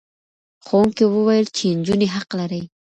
ښوونکي وویل چې نجونې حق لري.